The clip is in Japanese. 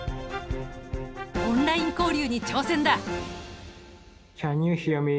オンライン交流に挑戦だ！